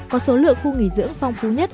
có số lượng khu nghỉ dưỡng phong phú nhất